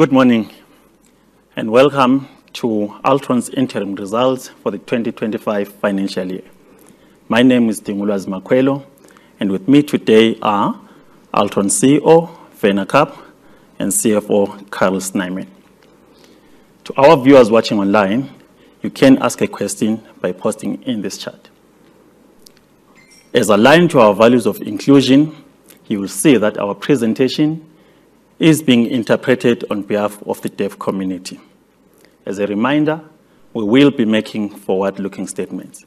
Good morning and welcome to Altron's interim results for the 2025 financial year. My name is Duduzile Mwelase, and with me today are Altron CEO, Werner Kapp, and CFO, Carel Snyman. To our viewers watching online, you can ask a question by posting in this chat. As aligned to our values of inclusion, you will see that our presentation is being interpreted on behalf of the deaf community. As a reminder, we will be making forward-looking statements.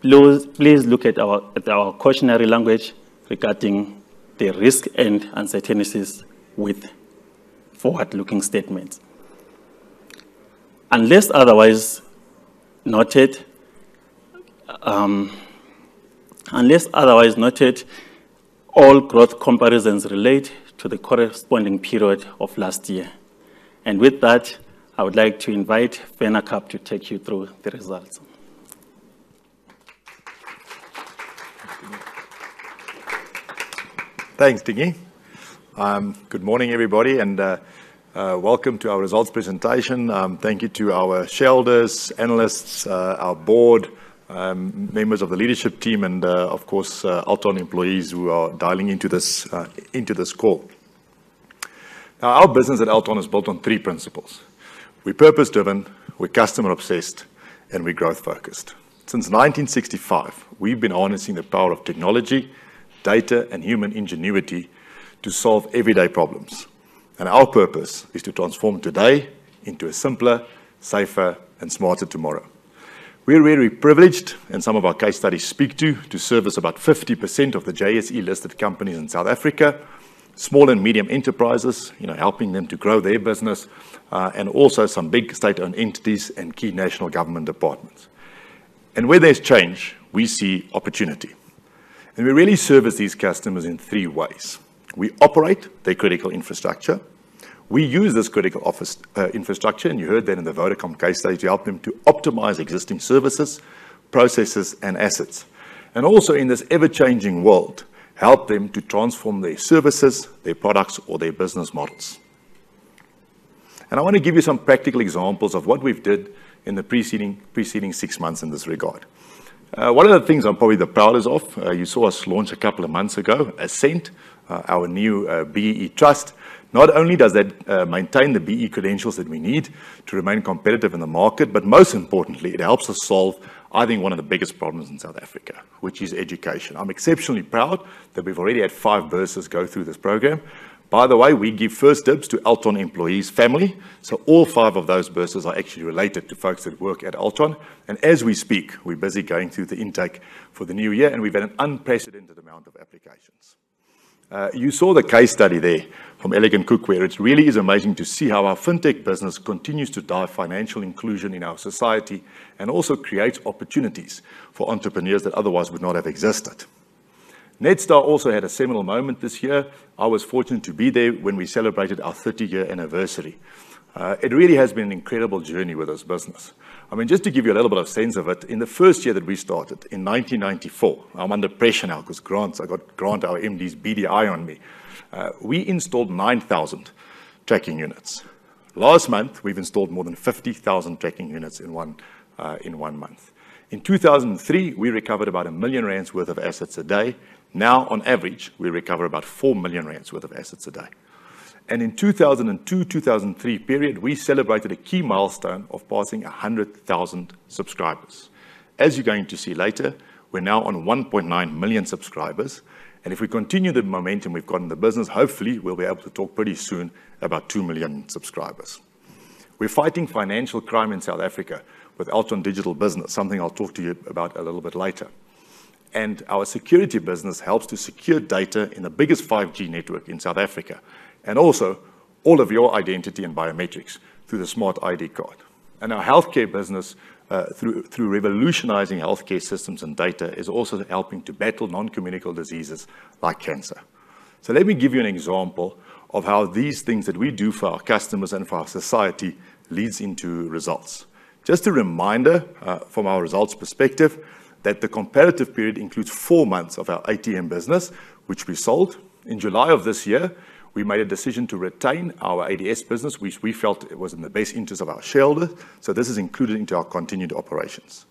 Please look at our cautionary language regarding the risk and uncertainties with forward-looking statements. Unless otherwise noted, all growth comparisons relate to the corresponding period of last year. And with that, I would like to invite Werner Kapp to take you through the results. Thanks, Diggy. Good morning, everybody, and welcome to our results presentation. Thank you to our shareholders, analysts, our board, members of the leadership team, and of course, Altron employees who are dialing into this call. Our business at Altron is built on three principles. We're purpose-driven, we're customer-obsessed, and we're growth-focused. Since 1965, we've been harnessing the power of technology, data, and human ingenuity to solve everyday problems, and our purpose is to transform today into a simpler, safer, and smarter tomorrow. We're really privileged, and some of our case studies speak to service about 50% of the JSE-listed companies in South Africa, small and medium enterprises, helping them to grow their business, and also some big state-owned entities and key national government departments, and where there's change, we see opportunity, and we really service these customers in three ways. We operate their critical infrastructure. We use this critical infrastructure, and you heard that in the Vodacom case study, to help them to optimize existing services, processes, and assets, and also in this ever-changing world, help them to transform their services, their products, or their business models, and I want to give you some practical examples of what we've did in the preceding six months in this regard. One of the things I'm probably the proudest of, you saw us launch a couple of months ago, Ascent, our new BEE trust. Not only does that maintain the BEE credentials that we need to remain competitive in the market, but most importantly, it helps us solve I think one of the biggest problems in South Africa, which is education. I'm exceptionally proud that we've already had five bursars go through this program. By the way, we give first dibs to Altron employees' family. So all five of those bursars are actually related to folks that work at Altron. And as we speak, we're busy going through the intake for the new year, and we've had an unprecedented amount of applications. You saw the case study there from Elegant Fuel, where it really is amazing to see how our FinTech business continues to drive financial inclusion in our society and also creates opportunities for entrepreneurs that otherwise would not have existed. Netstar also had a seminal moment this year. I was fortunate to be there when we celebrated our 30-year anniversary. It really has been an incredible journey with this business. I mean, just to give you a little bit of sense of it, in the first year that we started in 1994, I'm under pressure now because Grant's got his beady eye on me. We installed 9,000 tracking units. Last month, we've installed more than 50,000 tracking units in one month. In 2003, we recovered about 1 million rand worth of assets a day. Now, on average, we recover about 4 million rand worth of assets a day, and in the 2002-2003 period, we celebrated a key milestone of passing 100,000 subscribers. As you're going to see later, we're now on 1.9 million subscribers, and if we continue the momentum we've got in the business, hopefully, we'll be able to talk pretty soon about two million subscribers. We're fighting financial crime in South Africa with Altron Digital Business, something I'll talk to you about a little bit later, and our security business helps to secure data in the biggest 5G network in South Africa, and also all of your identity and biometrics through the Smart ID card. Our healthcare business, through revolutionizing healthcare systems and data, is also helping to battle non-communicable diseases like cancer. Let me give you an example of how these things that we do for our customers and for our society leads into results. Just a reminder from our results perspective that the comparative period includes four months of our ATM business, which we sold. In July of this year, we made a decision to retain our ADS business, which we felt was in the best interest of our shareholders. This is included into our continued operations.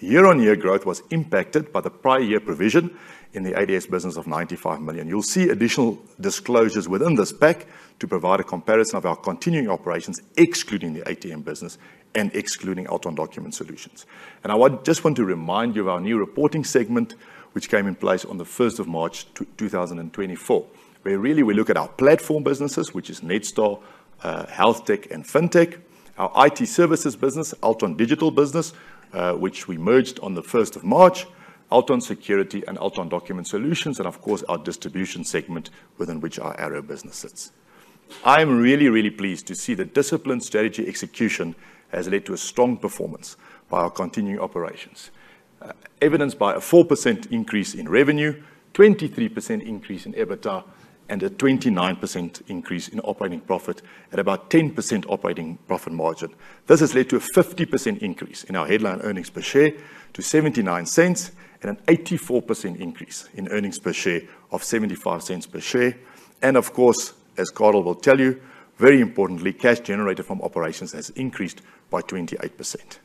Year-on-year growth was impacted by the prior year provision in the ADS business of 95 million. You'll see additional disclosures within this pack to provide a comparison of our continuing operations, excluding the ATM business and excluding Altron Document Solutions. I just want to remind you of our new reporting segment, which came in place on the 1st of March 2024, where really we look at our platform businesses, which is Netstar, HealthTech, and FinTech, our IT services business, Altron Digital Business, which we merged on the 1st of March, Altron Security and Altron Document Solutions, and of course, our distribution segment within which our Arrow business sits. I am really, really pleased to see that disciplined strategy execution has led to a strong performance by our continuing operations, evidenced by a 4% increase in revenue, a 23% increase in EBITDA, and a 29% increase in operating profit at about 10% operating profit margin. This has led to a 50% increase in our headline earnings per share to 0.79 and an 84% increase in earnings per share of 0.75 per share. Of course, as Carl will tell you, very importantly, cash generated from operations has increased by 28%.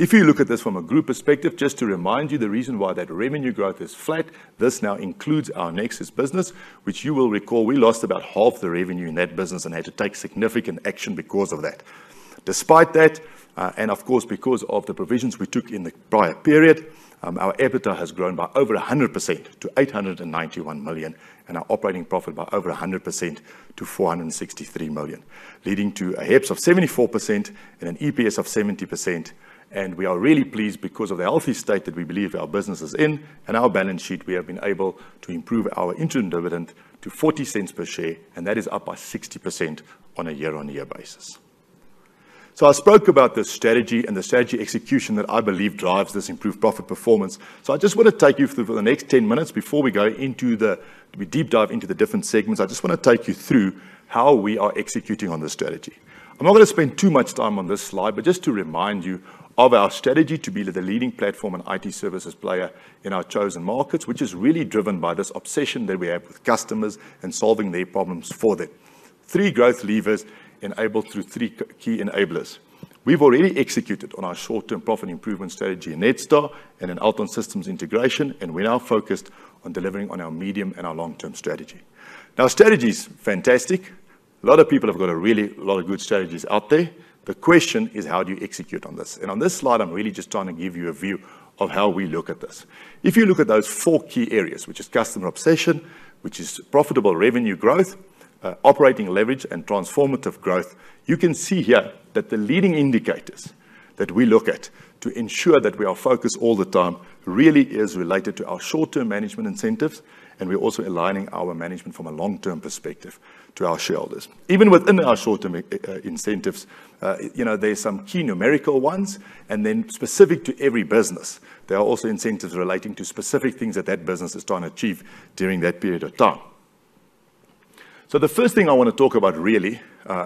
If you look at this from a group perspective, just to remind you, the reason why that revenue growth is flat, this now includes our Nexus business, which you will recall we lost about half the revenue in that business and had to take significant action because of that. Despite that, and of course, because of the provisions we took in the prior period, our EBITDA has grown by over 100% to 891 million and our operating profit by over 100% to 463 million, leading to a HEPS of 74% and an EPS of 70%. We are really pleased because of the healthy state that we believe our business is in. Our balance sheet, we have been able to improve our interim dividend to 0.40 per share, and that is up by 60% on a year-on-year basis. I spoke about this strategy and the strategy execution that I believe drives this improved profit performance. I just want to take you through the next 10 minutes before we go into the deep dive into the different segments. I just want to take you through how we are executing on this strategy. I'm not going to spend too much time on this slide, but just to remind you of our strategy to be the leading platform and IT services player in our chosen markets, which is really driven by this obsession that we have with customers and solving their problems for them. Three growth levers enabled through three key enablers. We've already executed on our short-term profit improvement strategy in Netstar and in Altron Systems Integration, and we're now focused on delivering on our medium and our long-term strategy. Now, strategy is fantastic. A lot of people have got a really lot of good strategies out there. The question is, how do you execute on this? And on this slide, I'm really just trying to give you a view of how we look at this. If you look at those four key areas, which are customer obsession, which is profitable revenue growth, operating leverage, and transformative growth, you can see here that the leading indicators that we look at to ensure that we are focused all the time really are related to our short-term management incentives, and we're also aligning our management from a long-term perspective to our shareholders. Even within our short-term incentives, there are some key numerical ones, and then specific to every business, there are also incentives relating to specific things that that business is trying to achieve during that period of time. So the first thing I want to talk about really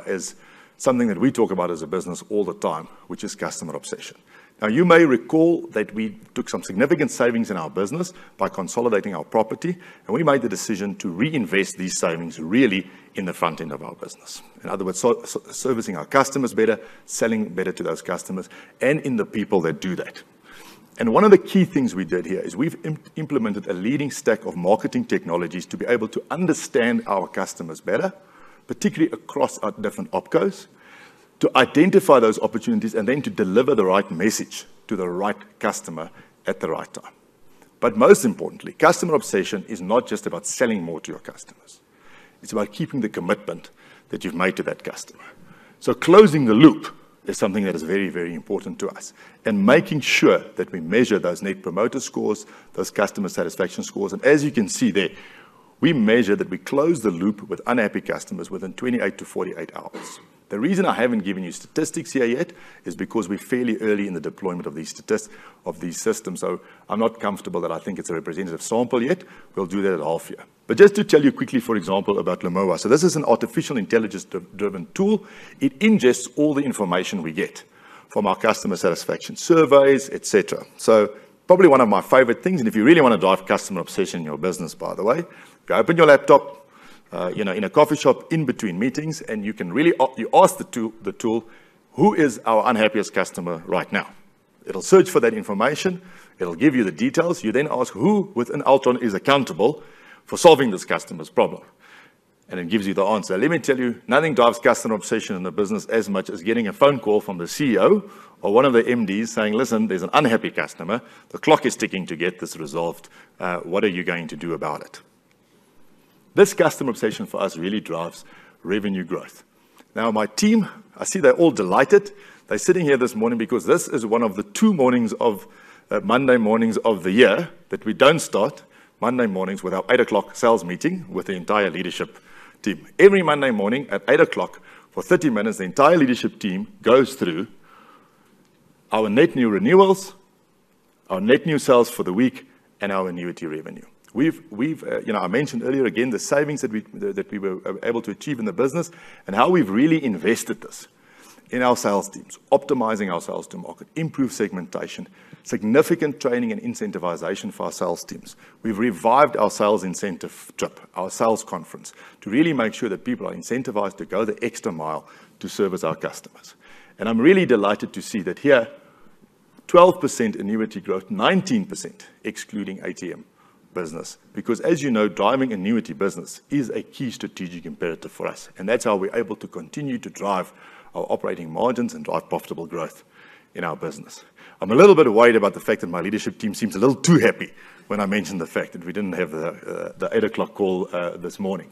is something that we talk about as a business all the time, which is customer obsession. Now, you may recall that we took some significant savings in our business by consolidating our property, and we made the decision to reinvest these savings really in the front end of our business. In other words, servicing our customers better, selling better to those customers, and in the people that do that. And one of the key things we did here is we've implemented a leading stack of marketing technologies to be able to understand our customers better, particularly across our different opcos, to identify those opportunities, and then to deliver the right message to the right customer at the right time. But most importantly, customer obsession is not just about selling more to your customers. It's about keeping the commitment that you've made to that customer. So closing the loop is something that is very, very important to us, and making sure that we measure those net promoter scores, those customer satisfaction scores. And as you can see there, we measure that we close the loop with unhappy customers within 28-48 hours. The reason I haven't given you statistics here yet is because we're fairly early in the deployment of these systems. So I'm not comfortable that I think it's a representative sample yet. We'll do that in half a year. But just to tell you quickly, for example, about Lumoa. So this is an artificial intelligence-driven tool. It ingests all the information we get from our customer satisfaction surveys, etc. So probably one of my favorite things, and if you really want to drive customer obsession in your business, by the way, you open your laptop in a coffee shop in between meetings, and you can really ask the tool, "Who is our unhappiest customer right now?" It'll search for that information. It'll give you the details. You then ask who within Altron is accountable for solving this customer's problem. And it gives you the answer. Let me tell you, nothing drives customer obsession in the business as much as getting a phone call from the CEO or one of the MDs saying, "Listen, there's an unhappy customer. The clock is ticking to get this resolved. What are you going to do about it?" This customer obsession for us really drives revenue growth. Now, my team, I see they're all delighted. They're sitting here this morning because this is one of the two mornings of Monday mornings of the year that we don't start Monday mornings with our 8:00 A.M. sales meeting with the entire leadership team. Every Monday morning at 8:00 A.M. for 30 minutes, the entire leadership team goes through our net new renewals, our net new sales for the week, and our annuity revenue. I mentioned earlier, again, the savings that we were able to achieve in the business and how we've really invested this in our sales teams, optimizing our sales to market, improved segmentation, significant training and incentivization for our sales teams. We've revived our sales incentive trip, our sales conference, to really make sure that people are incentivized to go the extra mile to service our customers, and I'm really delighted to see that here, 12% annuity growth, 19% excluding ATM business, because, as you know, driving annuity business is a key strategic imperative for us, and that's how we're able to continue to drive our operating margins and drive profitable growth in our business. I'm a little bit worried about the fact that my leadership team seems a little too happy when I mention the fact that we didn't have the 8:00 A.M. call this morning.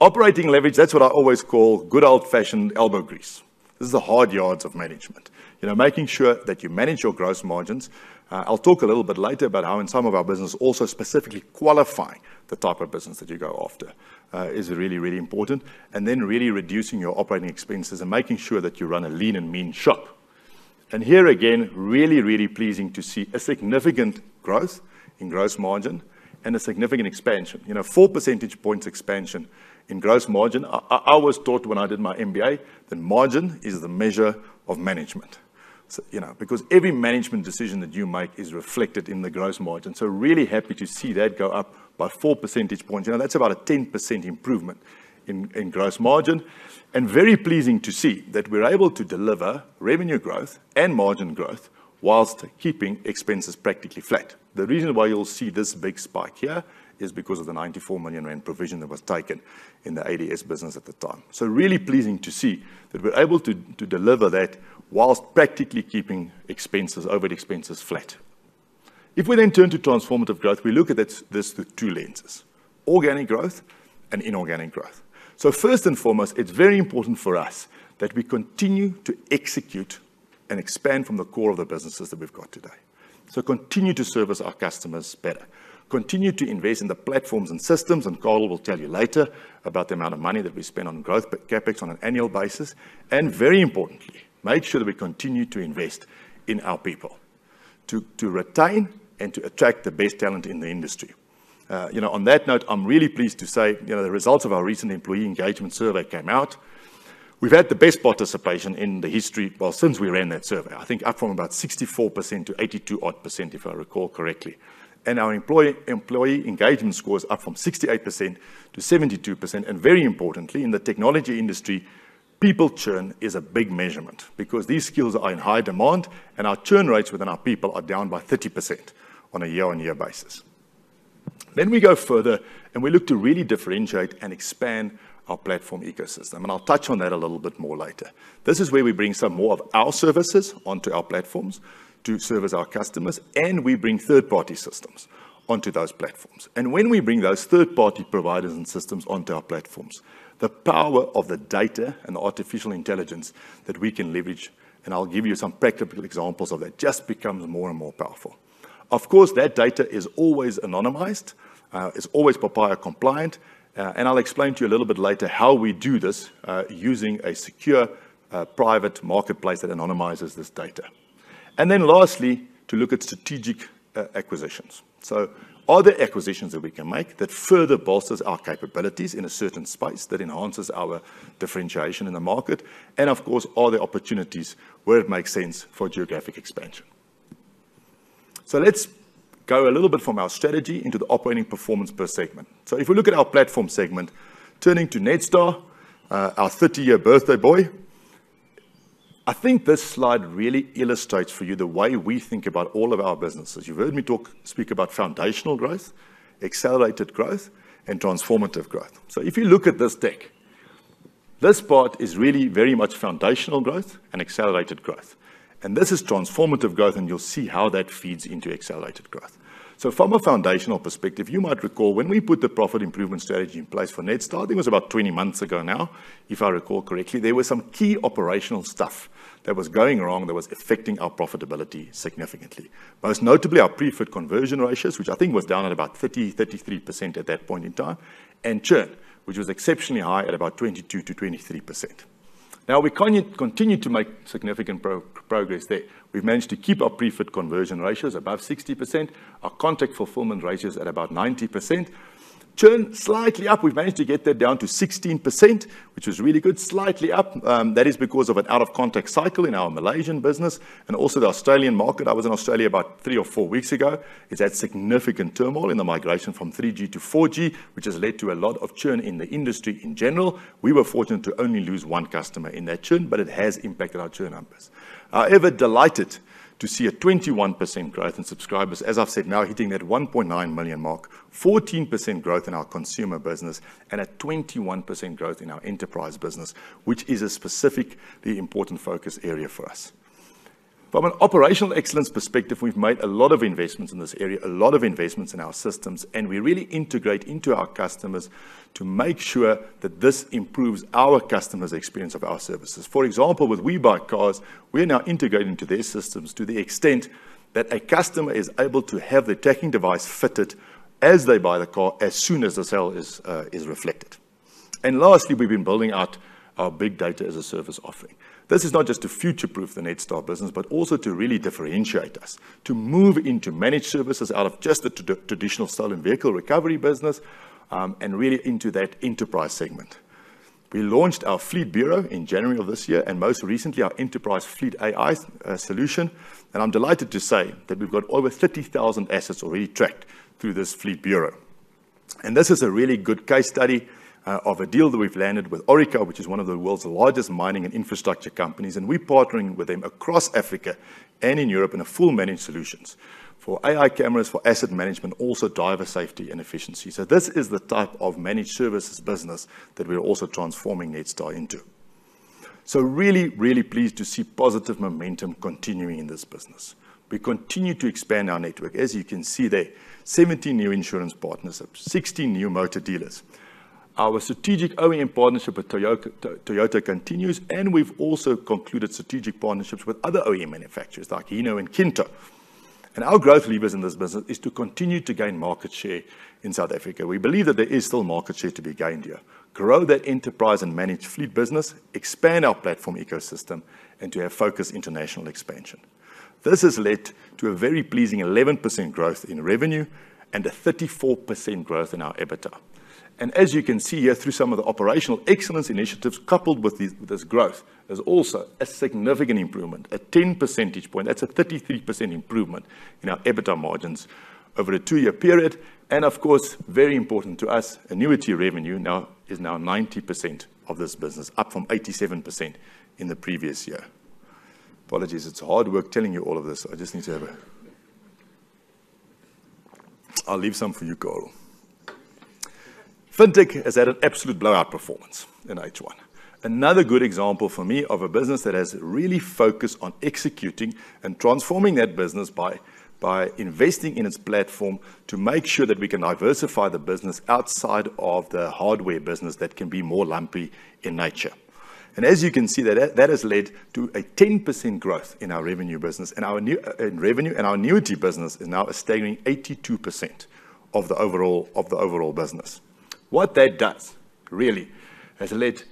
Operating leverage, that's what I always call good old-fashioned elbow grease. This is the hard yards of management, making sure that you manage your gross margins. I'll talk a little bit later about how in some of our business, also specifically qualifying the type of business that you go after is really, really important, and then really reducing your operating expenses and making sure that you run a lean and mean shop, and here, again, really, really pleasing to see a significant growth in gross margin and a significant expansion, 4 percentage points expansion in gross margin. I always thought when I did my MBA that margin is the measure of management because every management decision that you make is reflected in the gross margin, so really happy to see that go up by 4 percentage points. That's about a 10% improvement in gross margin. And very pleasing to see that we're able to deliver revenue growth and margin growth while keeping expenses practically flat. The reason why you'll see this big spike here is because of the 94 million rand provision that was taken in the ADS business at the time. So really pleasing to see that we're able to deliver that while practically keeping overhead expenses flat. If we then turn to transformative growth, we look at this through two lenses: organic growth and inorganic growth. So first and foremost, it's very important for us that we continue to execute and expand from the core of the businesses that we've got today, so continue to service our customers better, continue to invest in the platforms and systems. And Carel will tell you later about the amount of money that we spend on growth CapEx on an annual basis. And very importantly, make sure that we continue to invest in our people to retain and to attract the best talent in the industry. On that note, I'm really pleased to say the results of our recent employee engagement survey came out. We've had the best participation in the history since we ran that survey, I think up from about 64% to 82-odd%. If I recall correctly. And our employee engagement score is up from 68% to 72%. And very importantly, in the technology industry, people churn is a big measurement because these skills are in high demand, and our churn rates within our people are down by 30% on a year-on-year basis. Then we go further, and we look to really differentiate and expand our platform ecosystem. And I'll touch on that a little bit more later. This is where we bring some more of our services onto our platforms to service our customers, and we bring third-party systems onto those platforms. And when we bring those third-party providers and systems onto our platforms, the power of the data and the artificial intelligence that we can leverage, and I'll give you some practical examples of that, just becomes more and more powerful. Of course, that data is always anonymized, is always POPIA-compliant, and I'll explain to you a little bit later how we do this using a secure private marketplace that anonymizes this data. And then lastly, to look at strategic acquisitions. So are there acquisitions that we can make that further bolsters our capabilities in a certain space that enhances our differentiation in the market? And of course, are there opportunities where it makes sense for geographic expansion? So let's go a little bit from our strategy into the operating performance per segment. So if we look at our platform segment, turning to Netstar, our 30-year birthday boy, I think this slide really illustrates for you the way we think about all of our businesses. You've heard me speak about foundational growth, accelerated growth, and transformative growth. So if you look at this deck, this part is really very much foundational growth and accelerated growth. And this is transformative growth, and you'll see how that feeds into accelerated growth. From a foundational perspective, you might recall when we put the profit improvement strategy in place for Netstar. I think it was about 20 months ago now, if I recall correctly. There were some key operational stuff that was going wrong that was affecting our profitability significantly, most notably our pre-fit conversion ratios, which I think was down at about 30-33% at that point in time, and churn, which was exceptionally high at about 22-23%. Now, we continue to make significant progress there. We've managed to keep our pre-fit conversion ratios above 60%, our contact fulfillment ratios at about 90%, churn slightly up. We've managed to get that down to 16%, which was really good, slightly up. That is because of an out-of-contract cycle in our Malaysian business and also the Australian market. I was in Australia about three or four weeks ago. It's had significant turmoil in the migration from 3G to 4G, which has led to a lot of churn in the industry in general. We were fortunate to only lose one customer in that churn, but it has impacted our churn numbers. However, delighted to see a 21% growth in subscribers, as I've said, now hitting that 1.9 million mark, 14% growth in our consumer business, and a 21% growth in our enterprise business, which is a specifically important focus area for us. From an operational excellence perspective, we've made a lot of investments in this area, a lot of investments in our systems, and we really integrate into our customers to make sure that this improves our customers' experience of our services. For example, with We Buy Cars, we're now integrating to their systems to the extent that a customer is able to have their tracking device fitted as they buy the car as soon as the sale is reflected, and lastly, we've been building out our Big Data as a Service offering. This is not just to future-proof the Netstar business, but also to really differentiate us, to move into managed services out of just the traditional stolen vehicle recovery business and really into that enterprise segment. We launched our Fleet Bureau in January of this year and most recently our Enterprise Fleet AI solution, and I'm delighted to say that we've got over 30,000 assets already tracked through this Fleet Bureau. And this is a really good case study of a deal that we've landed with Orica, which is one of the world's largest mining and infrastructure companies, and we're partnering with them across Africa and in Europe in full managed solutions for AI cameras, for asset management, also driver safety and efficiency. So this is the type of managed services business that we're also transforming Netstar into. So really, really pleased to see positive momentum continuing in this business. We continue to expand our network. As you can see there, 17 new insurance partnerships, 16 new motor dealers. Our strategic OEM partnership with Toyota continues, and we've also concluded strategic partnerships with other OEM manufacturers like Hino and Kinto. And our growth levers in this business are to continue to gain market share in South Africa. We believe that there is still market share to be gained here, grow that enterprise and managed fleet business, expand our platform ecosystem, and to have focused international expansion. This has led to a very pleasing 11% growth in revenue and a 34% growth in our EBITDA. And as you can see here through some of the operational excellence initiatives coupled with this growth, there's also a significant improvement, a 10 percentage point. That's a 33% improvement in our EBITDA margins over a two-year period. And of course, very important to us, annuity revenue is now 90% of this business, up from 87% in the previous year. Apologies, it's hard work telling you all of this. I just need to have a. I'll leave some for you, Carel. FinTech has had an absolute blowout performance in H1. Another good example for me of a business that has really focused on executing and transforming that business by investing in its platform to make sure that we can diversify the business outside of the hardware business that can be more lumpy in nature. And as you can see, that has led to a 10% growth in our revenue business, and our revenue and our annuity business is now a staggering 82% of the overall business. What that does really has led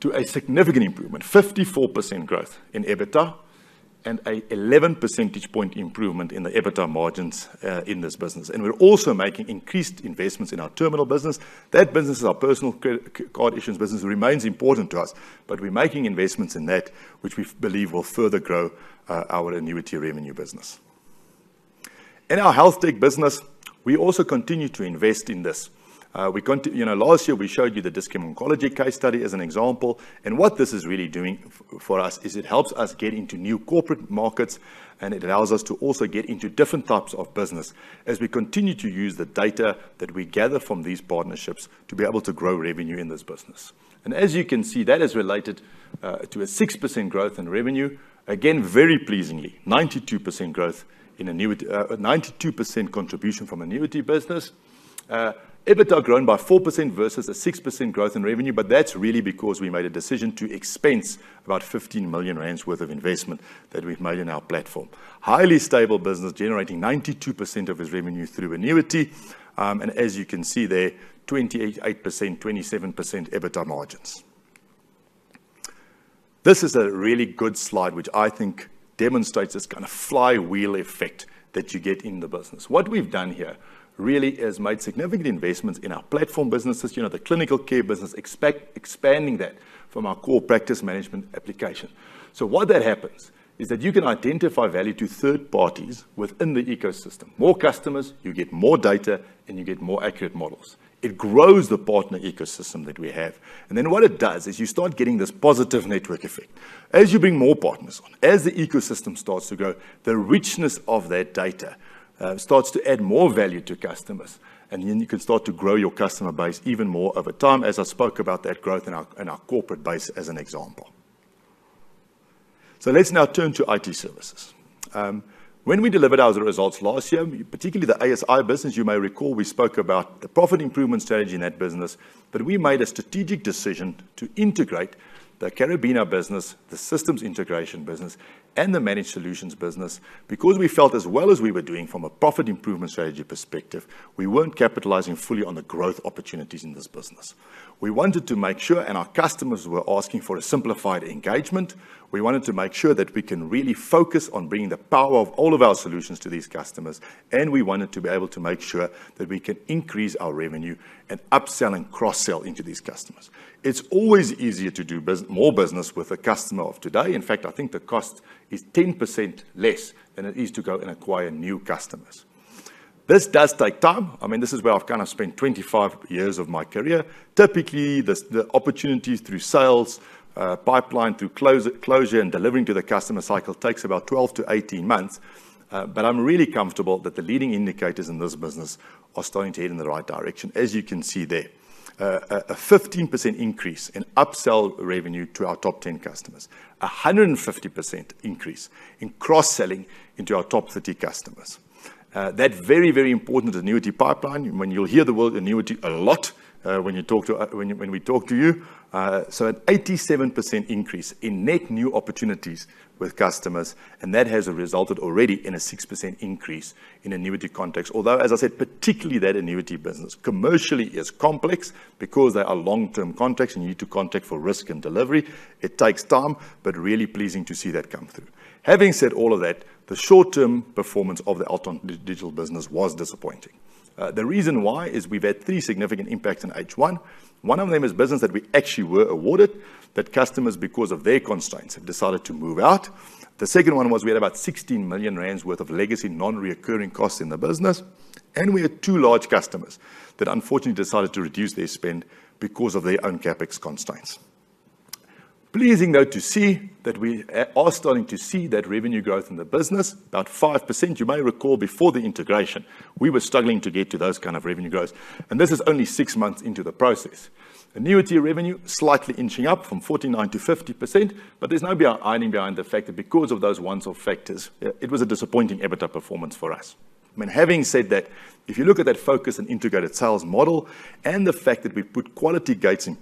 to a significant improvement, 54% growth in EBITDA and an 11 percentage point improvement in the EBITDA margins in this business. And we're also making increased investments in our terminal business. That business is our personal card issuance business. It remains important to us, but we're making investments in that, which we believe will further grow our annuity revenue business. In our HealthTech business, we also continue to invest in this. Last year, we showed you the discommunicology case study as an example, and what this is really doing for us is it helps us get into new corporate markets, and it allows us to also get into different types of business as we continue to use the data that we gather from these partnerships to be able to grow revenue in this business, and as you can see, that is related to a 6% growth in revenue. Again, very pleasingly, 92% growth in annuity, 92% contribution from annuity business. EBITDA grown by 4% versus a 6% growth in revenue, but that's really because we made a decision to expense about 15 million rand worth of investment that we've made in our platform. Highly stable business generating 92% of its revenue through annuity. And as you can see there, 28%, 27% EBITDA margins. This is a really good slide, which I think demonstrates this kind of flywheel effect that you get in the business. What we've done here really is made significant investments in our platform businesses, the clinical care business, expanding that from our core practice management application. So what that happens is that you can identify value to third parties within the ecosystem. More customers, you get more data, and you get more accurate models. It grows the partner ecosystem that we have. And then what it does is you start getting this positive network effect. As you bring more partners on, as the ecosystem starts to grow, the richness of that data starts to add more value to customers, and then you can start to grow your customer base even more over time, as I spoke about that growth in our corporate base as an example. So let's now turn to IT services. When we delivered our results last year, particularly the ASI business, you may recall we spoke about the profit improvement strategy in that business, that we made a strategic decision to integrate the Karabina business, the systems integration business, and the managed solutions business because we felt as well as we were doing from a profit improvement strategy perspective, we weren't capitalizing fully on the growth opportunities in this business. We wanted to make sure, and our customers were asking for a simplified engagement. We wanted to make sure that we can really focus on bringing the power of all of our solutions to these customers, and we wanted to be able to make sure that we can increase our revenue and upsell and cross-sell into these customers. It's always easier to do more business with a customer of today. In fact, I think the cost is 10% less than it is to go and acquire new customers. This does take time. I mean, this is where I've kind of spent 25 years of my career. Typically, the opportunities through sales pipeline, through closure and delivering to the customer cycle takes about 12-18 months. But I'm really comfortable that the leading indicators in this business are starting to head in the right direction. As you can see there, a 15% increase in upsell revenue to our top 10 customers, a 150% increase in cross-selling into our top 30 customers. That very, very important annuity pipeline. I mean, you'll hear the word annuity a lot when we talk to you. So an 87% increase in net new opportunities with customers, and that has resulted already in a 6% increase in annuity contracts. Although, as I said, particularly that annuity business commercially is complex because they are long-term contracts and you need to account for risk and delivery. It takes time, but really pleasing to see that come through. Having said all of that, the short-term performance of the Altron Digital Business was disappointing. The reason why is we've had three significant impacts in H1. One of them is business that we actually were awarded that customers, because of their constraints, have decided to move out. The second one was we had about 16 million rand worth of legacy non-recurring costs in the business, and we had two large customers that unfortunately decided to reduce their spend because of their own CapEx constraints. Pleasing though to see that we are starting to see that revenue growth in the business, about 5%. You may recall before the integration, we were struggling to get to those kind of revenue growth, and this is only six months into the process. Annuity revenue slightly inching up from 49% to 50%, but there's no hiding behind the fact that because of those one-off factors, it was a disappointing EBITDA performance for us. I mean, having said that, if you look at that focus and integrated sales model and the fact that we put quality gates in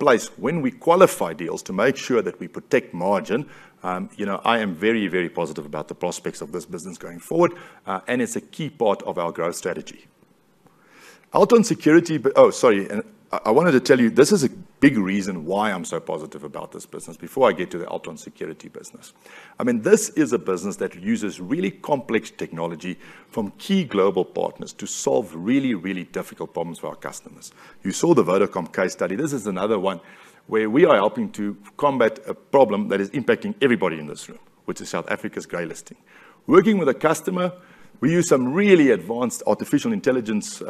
place when we qualify deals to make sure that we protect margin, I am very, very positive about the prospects of this business going forward, and it's a key part of our growth strategy. Altron Security, oh, sorry, I wanted to tell you this is a big reason why I'm so positive about this business. Before I get to the Altron Security business, I mean, this is a business that uses really complex technology from key global partners to solve really, really difficult problems for our customers. You saw the Vodacom case study. This is another one where we are helping to combat a problem that is impacting everybody in this room, which is South Africa's grey listing. Working with a customer, we use some really advanced artificial intelligence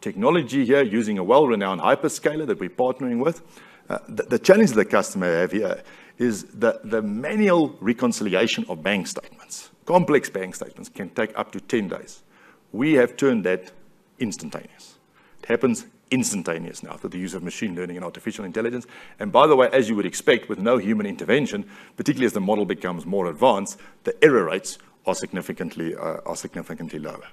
technology here using a well-renowned hyperscaler that we're partnering with. The challenge that the customer has here is the manual reconciliation of bank statements. Complex bank statements can take up to 10 days. We have turned that instantaneous. It happens instantaneous now through the use of machine learning and artificial intelligence. And by the way, as you would expect, with no human intervention, particularly as the model becomes more advanced, the error rates are significantly lower.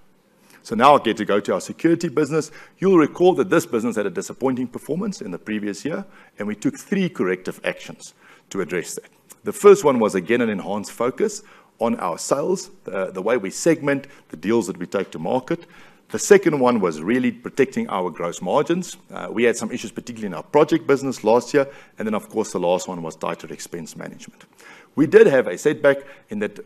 So now I get to go to our security business. You'll recall that this business had a disappointing performance in the previous year, and we took three corrective actions to address that. The first one was, again, an enhanced focus on our sales, the way we segment the deals that we take to market. The second one was really protecting our gross margins. We had some issues, particularly in our project business last year, and then, of course, the last one was tied to expense management. We did have a setback in that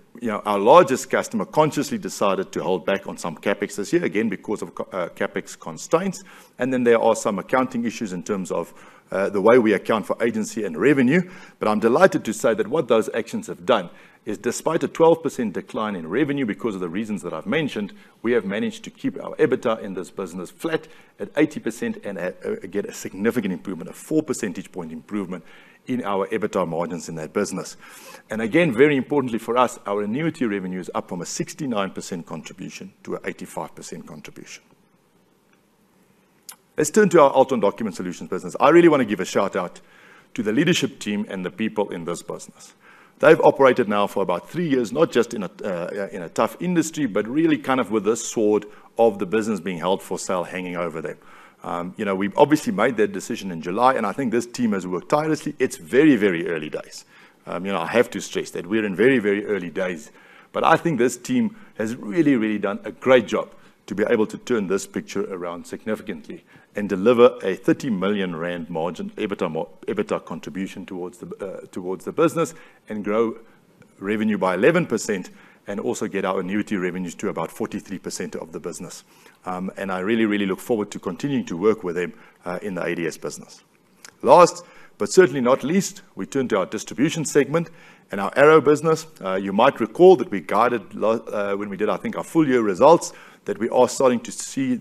our largest customer consciously decided to hold back on some CapEx this year, again, because of CapEx constraints, and then there are some accounting issues in terms of the way we account for agency and revenue, but I'm delighted to say that what those actions have done is, despite a 12% decline in revenue because of the reasons that I've mentioned, we have managed to keep our EBITDA in this business flat at 80% and get a significant improvement, a 4 percentage point improvement in our EBITDA margins in that business, and again, very importantly for us, our annuity revenue is up from a 69% contribution to an 85% contribution. Let's turn to our Altron Document Solutions business. I really want to give a shout-out to the leadership team and the people in this business. They've operated now for about three years, not just in a tough industry, but really kind of with this sword of the business being held for sale, hanging over them. We obviously made that decision in July, and I think this team has worked tirelessly. It's very, very early days. I have to stress that we're in very, very early days. But I think this team has really, really done a great job to be able to turn this picture around significantly and deliver a 30 million rand margin EBITDA contribution towards the business and grow revenue by 11% and also get our annuity revenues to about 43% of the business, and I really, really look forward to continuing to work with them in the ADS business. Last, but certainly not least, we turn to our distribution segment and our Arrow business. You might recall that we guided when we did, I think, our full year results, that we are starting to see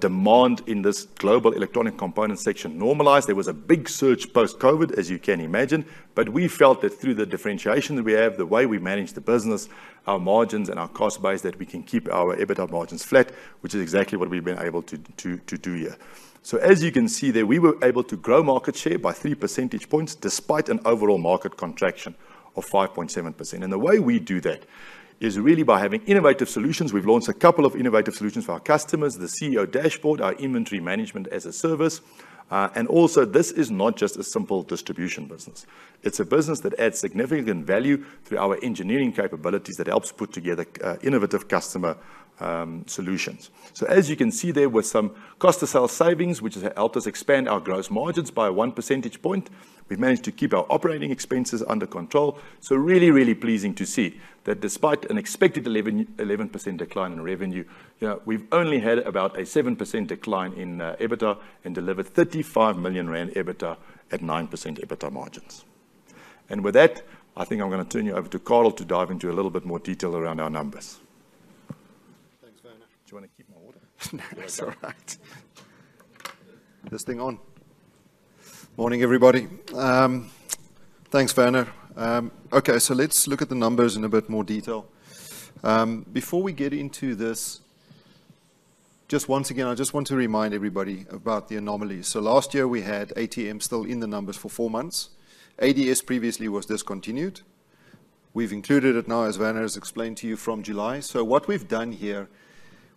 demand in this global electronic component section normalize. There was a big surge post-COVID, as you can imagine, but we felt that through the differentiation that we have, the way we manage the business, our margins, and our cost base, that we can keep our EBITDA margins flat, which is exactly what we've been able to do here. So as you can see there, we were able to grow market share by 3 percentage points despite an overall market contraction of 5.7%. And the way we do that is really by having innovative solutions. We've launched a couple of innovative solutions for our customers, the CEO dashboard, our inventory management as a service. This is not just a simple distribution business. It's a business that adds significant value through our engineering capabilities that helps put together innovative customer solutions. So as you can see there, with some cost-to-sale savings, which has helped us expand our gross margins by one percentage point, we've managed to keep our operating expenses under control. So really, really pleasing to see that despite an expected 11% decline in revenue, we've only had about a 7% decline in EBITDA and delivered 35 million rand EBITDA at 9% EBITDA margins. With that, I think I'm going to turn you over to Carel to dive into a little bit more detail around our numbers. Thanks, Werner. Do you want to keep my water? No, it's all right. This thing on. Morning, everybody. Thanks, Werner. Okay, so let's look at the numbers in a bit more detail. Before we get into this, just once again, I just want to remind everybody about the anomalies. So last year, we had ATM still in the numbers for four months. ADS previously was discontinued. We've included it now, as Werner has explained to you, from July. So what we've done here,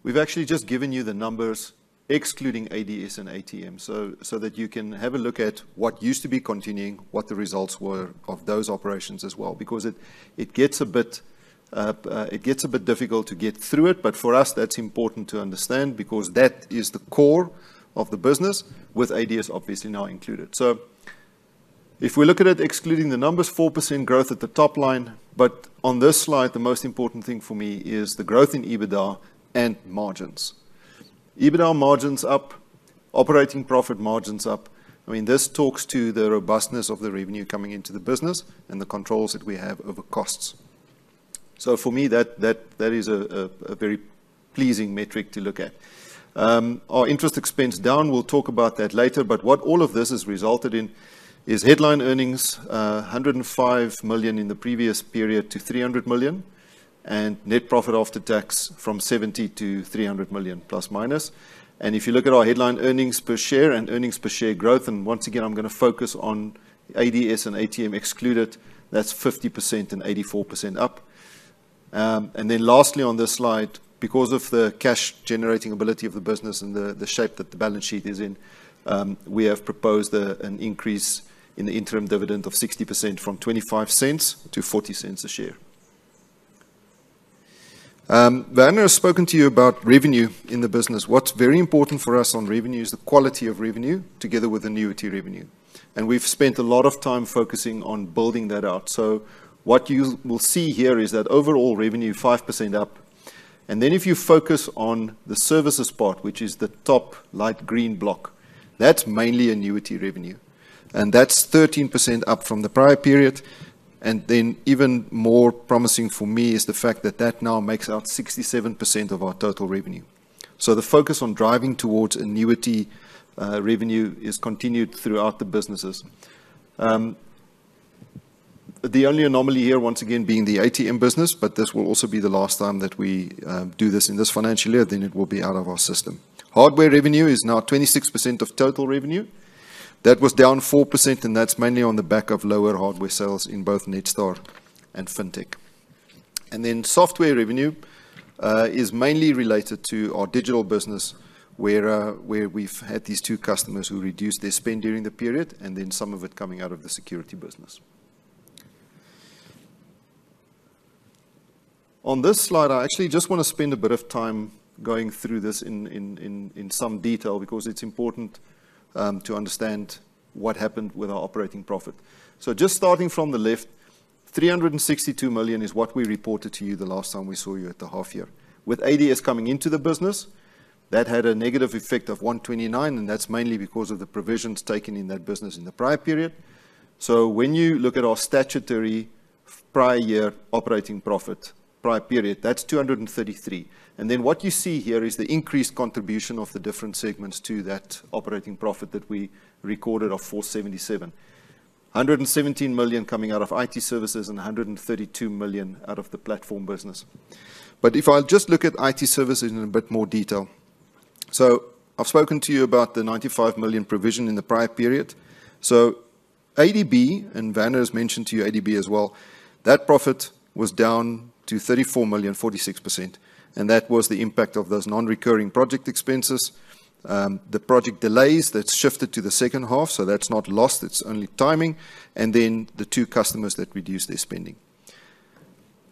we've actually just given you the numbers excluding ADS and ATM so that you can have a look at what used to be continuing, what the results were of those operations as well, because it gets a bit difficult to get through it. But for us, that's important to understand because that is the core of the business with ADS obviously now included. So if we look at it excluding the numbers, 4% growth at the top line. But on this slide, the most important thing for me is the growth in EBITDA and margins. EBITDA margins up, operating profit margins up. I mean, this talks to the robustness of the revenue coming into the business and the controls that we have over costs. So for me, that is a very pleasing metric to look at. Our interest expense down, we'll talk about that later. But what all of this has resulted in is headline earnings, 105 million in the previous period to 300 million, and net profit after tax from 70 million to 300 million plus minus. And if you look at our headline earnings per share and earnings per share growth, and once again, I'm going to focus on ADS and ATM excluded, that's 50% and 84% up. And then lastly on this slide, because of the cash-generating ability of the business and the shape that the balance sheet is in, we have proposed an increase in the interim dividend of 60% from 0.25 to 0.40 a share. Werner has spoken to you about revenue in the business. What's very important for us on revenue is the quality of revenue together with annuity revenue. And we've spent a lot of time focusing on building that out. So what you will see here is that overall revenue, 5% up. And then if you focus on the services part, which is the top light green block, that's mainly annuity revenue. And that's 13% up from the prior period. And then even more promising for me is the fact that that now makes out 67% of our total revenue. So the focus on driving towards annuity revenue is continued throughout the businesses. The only anomaly here, once again, being the ATM business, but this will also be the last time that we do this in this financial year, then it will be out of our system. Hardware revenue is now 26% of total revenue. That was down 4%, and that's mainly on the back of lower hardware sales in both Netstar and FinTech. And then software revenue is mainly related to our digital business, where we've had these two customers who reduced their spend during the period and then some of it coming out of the security business. On this slide, I actually just want to spend a bit of time going through this in some detail because it's important to understand what happened with our operating profit. So just starting from the left, 362 million is what we reported to you the last time we saw you at the half year. With ADS coming into the business, that had a negative effect of 129, and that's mainly because of the provisions taken in that business in the prior period. So when you look at our statutory prior year operating profit, prior period, that's 233. And then what you see here is the increased contribution of the different segments to that operating profit that we recorded of 477, 117 million coming out of IT services and 132 million out of the platform business. But if I'll just look at IT services in a bit more detail. So I've spoken to you about the 95 million provision in the prior period. ADB, and Werner has mentioned to you ADB as well, that profit was down to 34 million, 46%. And that was the impact of those non-recurring project expenses, the project delays that shifted to the second half. So that's not lost, it's only timing. And then the two customers that reduced their spending.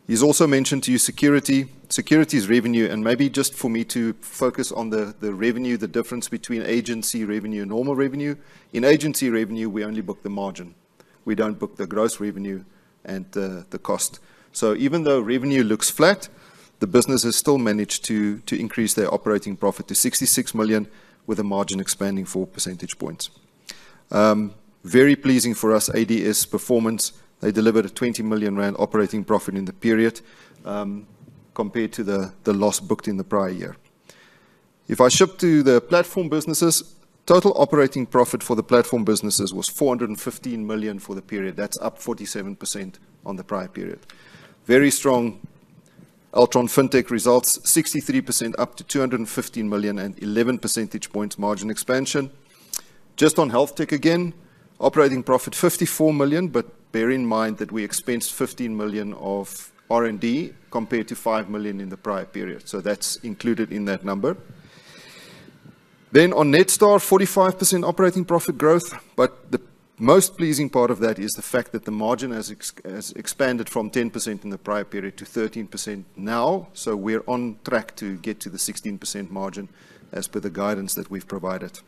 He's also mentioned to you security. Security is revenue. And maybe just for me to focus on the revenue, the difference between agency revenue and normal revenue. In agency revenue, we only book the margin. We don't book the gross revenue and the cost. So even though revenue looks flat, the business has still managed to increase their operating profit to 66 million with a margin expanding 4 percentage points. Very pleasing for us, ADS performance. They delivered a 20 million rand operating profit in the period compared to the loss booked in the prior year. If I shift to the platform businesses, total operating profit for the platform businesses was 415 million for the period. That's up 47% on the prior period. Very strong Altron FinTech results, 63% up to 215 million and 11 percentage points margin expansion. Just on health tech again, operating profit 54 million, but bear in mind that we expensed 15 million of R&D compared to 5 million in the prior period. So that's included in that number, then on Netstar, 45% operating profit growth. But the most pleasing part of that is the fact that the margin has expanded from 10% in the prior period to 13% now. So we're on track to get to the 16% margin as per the guidance that we've provided.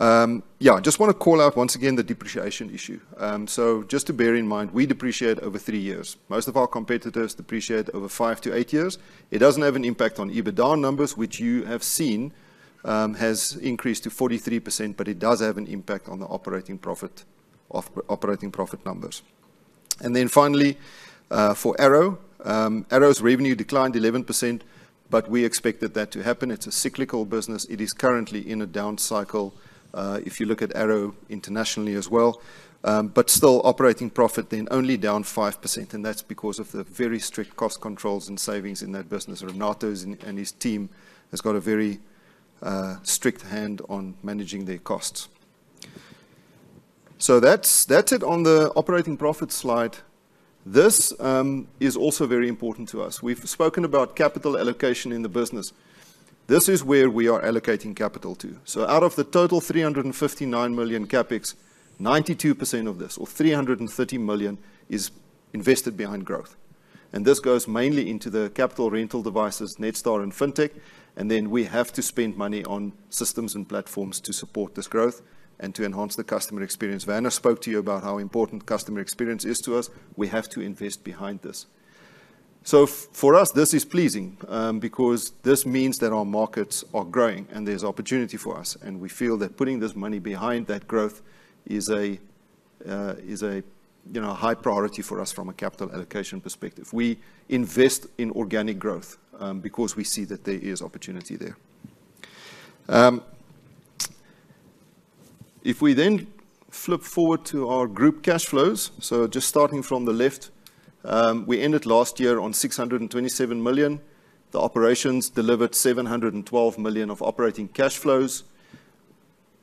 Yeah, I just want to call out once again the depreciation issue. So just to bear in mind, we depreciate over three years. Most of our competitors depreciate over five to eight years. It doesn't have an impact on EBITDA numbers, which you have seen has increased to 43%, but it does have an impact on the operating profit numbers, and then finally, for Arrow, Arrow's revenue declined 11%, but we expected that to happen. It's a cyclical business. It is currently in a down cycle if you look at Arrow internationally as well, but still, operating profit then only down 5%. And that's because of the very strict cost controls and savings in that business. Renato and his team have got a very strict hand on managing their costs, so that's it on the operating profit slide. This is also very important to us. We've spoken about capital allocation in the business. This is where we are allocating capital to. Out of the total 359 million CapEx, 92% of this, or 330 million, is invested behind growth. And this goes mainly into the capital rental devices, Netstar and FinTech. And then we have to spend money on systems and platforms to support this growth and to enhance the customer experience. Werner spoke to you about how important customer experience is to us. We have to invest behind this. So for us, this is pleasing because this means that our markets are growing and there's opportunity for us. And we feel that putting this money behind that growth is a high priority for us from a capital allocation perspective. We invest in organic growth because we see that there is opportunity there. If we then flip forward to our group cash flows, so just starting from the left, we ended last year on 627 million. The operations delivered 712 million of operating cash flows.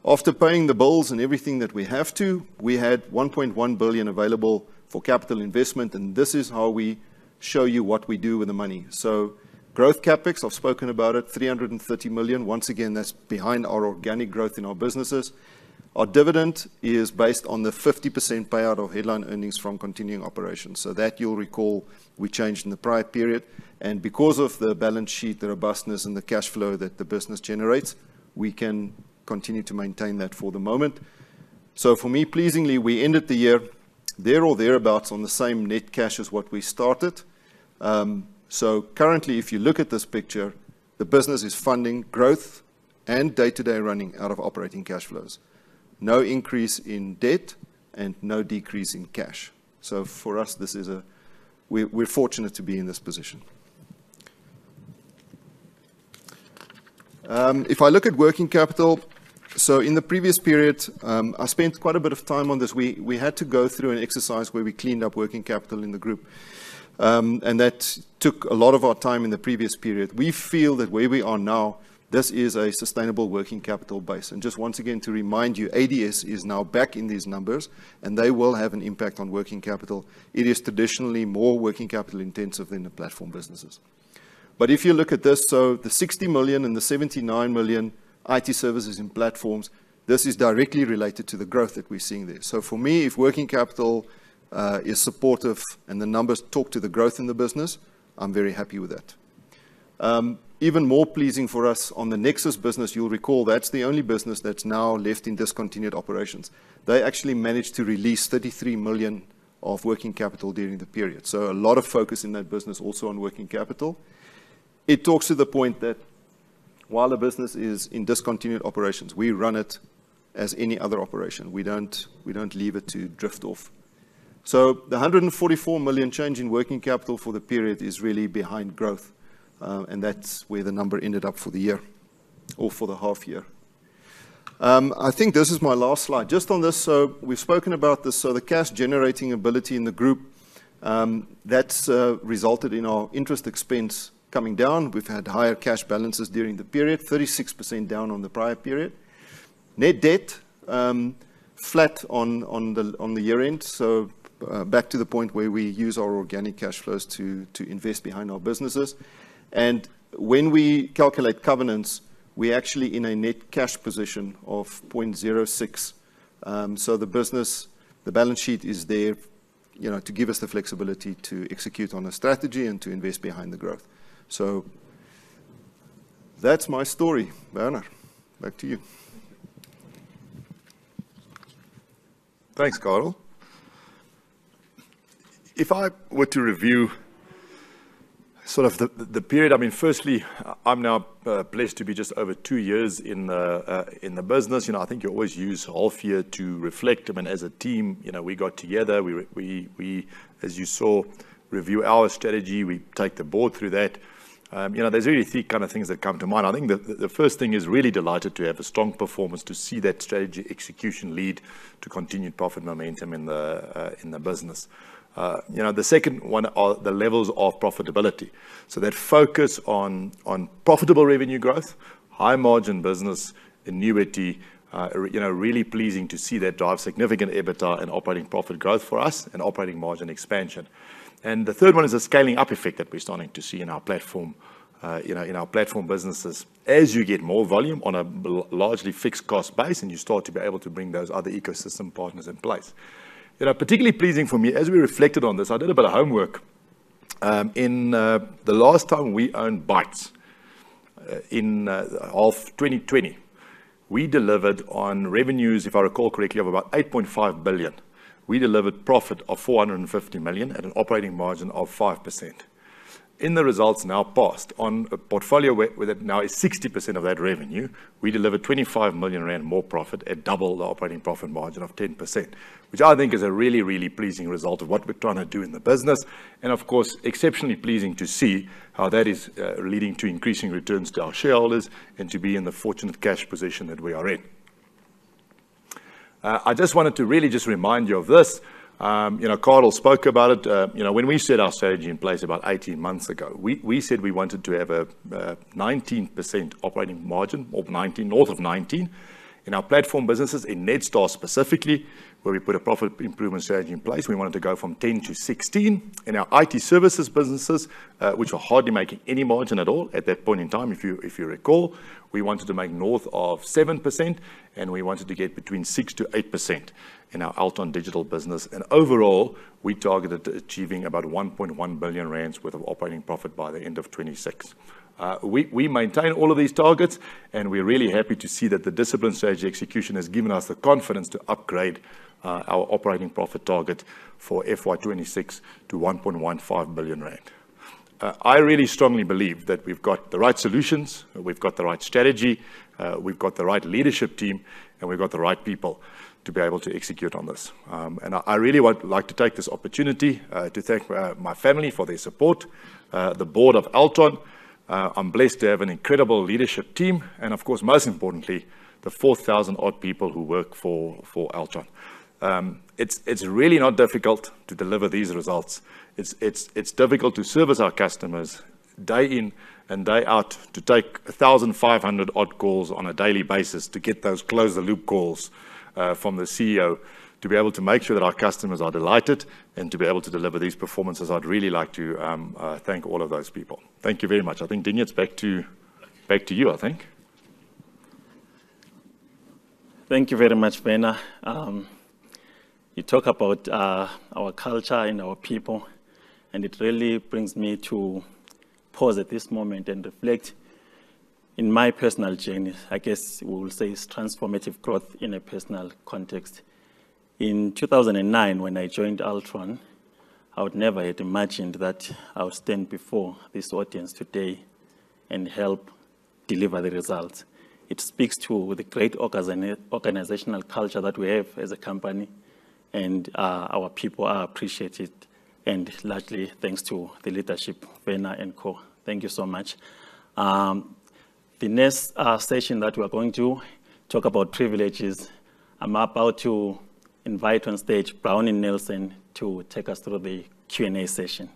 After paying the bills and everything that we have to, we had 1.1 billion available for capital investment. And this is how we show you what we do with the money. So growth CapEx, I've spoken about it, 330 million. Once again, that's behind our organic growth in our businesses. Our dividend is based on the 50% payout of headline earnings from continuing operations. So that you'll recall we changed in the prior period. And because of the balance sheet, the robustness, and the cash flow that the business generates, we can continue to maintain that for the moment. So for me, pleasingly, we ended the year there or thereabouts on the same net cash as what we started. So currently, if you look at this picture, the business is funding growth and day-to-day running out of operating cash flows. No increase in debt and no decrease in cash. For us, this is, we're fortunate to be in this position. If I look at working capital, in the previous period, I spent quite a bit of time on this. We had to go through an exercise where we cleaned up working capital in the group. That took a lot of our time in the previous period. We feel that where we are now, this is a sustainable working capital base. Just once again to remind you, ADS is now back in these numbers, and they will have an impact on working capital. It is traditionally more working capital intensive than the platform businesses. If you look at this, the 60 million and the 79 million IT services and platforms, this is directly related to the growth that we're seeing there. So for me, if working capital is supportive and the numbers talk to the growth in the business, I'm very happy with that. Even more pleasing for us on the Nexus business, you'll recall that's the only business that's now left in discontinued operations. They actually managed to release 33 million of working capital during the period. So a lot of focus in that business also on working capital. It talks to the point that while the business is in discontinued operations, we run it as any other operation. We don't leave it to drift off. So the 144 million change in working capital for the period is really behind growth. And that's where the number ended up for the year or for the half year. I think this is my last slide. Just on this, so we've spoken about this. The cash generating ability in the group has resulted in our interest expense coming down. We've had higher cash balances during the period, 36% down on the prior period. Net debt is flat on the year-end. We are back to the point where we use our organic cash flows to invest behind our businesses. When we calculate covenants, we are actually in a net cash position of 0.06. The business balance sheet is there to give us the flexibility to execute on a strategy and to invest behind the growth. That's my story, Werner. Back to you. Thanks, Carel. If I were to review sort of the period, I mean, firstly, I'm now blessed to be just over two years in the business. I think you always use Altron to reflect. I mean, as a team, we got together. We, as you saw, reviewed our strategy. We take the board through that. There's really three kind of things that come to mind. I think the first thing is really delighted to have a strong performance to see that strategy execution lead to continued profit momentum in the business. The second one are the levels of profitability. So that focus on profitable revenue growth, high margin business, annuity, really pleasing to see that drive significant EBITDA and operating profit growth for us and operating margin expansion. And the third one is a scaling up effect that we're starting to see in our platform businesses. As you get more volume on a largely fixed cost base and you start to be able to bring those other ecosystem partners in place. Particularly pleasing for me, as we reflected on this, I did a bit of homework. In the last time we owned Bytes in 2020, we delivered on revenues, if I recall correctly, of about 8.5 billion. We delivered profit of 450 million at an operating margin of 5%. In the results now past, on a portfolio where that now is 60% of that revenue, we delivered 25 million rand more profit at double the operating profit margin of 10%, which I think is a really, really pleasing result of what we're trying to do in the business. And of course, exceptionally pleasing to see how that is leading to increasing returns to our shareholders and to be in the fortunate cash position that we are in. I just wanted to really just remind you of this. Carel spoke about it. When we set our strategy in place about 18 months ago, we said we wanted to have a 19% operating margin or 19, north of 19 in our platform businesses. In Netstar specifically, where we put a profit improvement strategy in place, we wanted to go from 10%-16%. In our IT services businesses, which were hardly making any margin at all at that point in time, if you recall, we wanted to make north of 7% and we wanted to get between 6%-8% in our Altron digital business. And overall, we targeted achieving about 1.1 billion rand worth of operating profit by the end of 2026. We maintain all of these targets and we're really happy to see that the discipline strategy execution has given us the confidence to upgrade our operating profit target for FY26 to 1.15 billion rand. I really strongly believe that we've got the right solutions, we've got the right strategy, we've got the right leadership team, and we've got the right people to be able to execute on this, and I really would like to take this opportunity to thank my family for their support, the board of Altron. I'm blessed to have an incredible leadership team, and of course, most importantly, the 4,000-odd people who work for Altron. It's really not difficult to deliver these results. It's difficult to service our customers day in and day out to take 1,500-odd calls on a daily basis to get those closer loop calls from the CEO to be able to make sure that our customers are delighted and to be able to deliver these performances. I'd really like to thank all of those people. Thank you very much. I think, Diggy, it's back to you, I think. Thank you very much, Werner. You talk about our culture and our people, and it really brings me to pause at this moment and reflect in my personal journey. I guess we will say it's transformative growth in a personal context. In 2009, when I joined Altron, I would never have imagined that I would stand before this audience today and help deliver the results. It speaks to the great organizational culture that we have as a company, and our people are appreciated, and largely thanks to the leadership, Werner and Co. Thank you so much. The next session that we are going to talk about privileges. I'm about to invite on stage Bronwyn Nielsen to take us through the Q&A session.